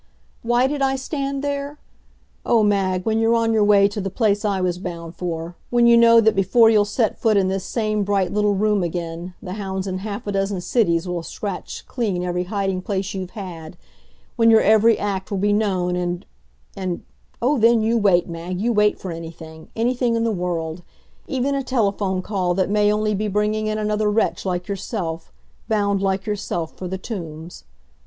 Why did I stand there? O Mag, when you're on your way to the place I was bound for, when you know that before you'll set foot in this same bright little room again, the hounds in half a dozen cities will have scratched clean every hiding place you've had, when your every act will be known and and oh, then, you wait, Mag, you wait for anything anything in the world; even a telephone call that may only be bringing in another wretch like yourself; bound, like yourself, for the Tombs.